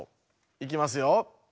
いきますよ。